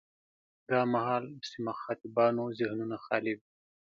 دا مهال چې مخاطبانو ذهنونه خالي وي.